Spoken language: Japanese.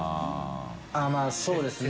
まぁそうですね。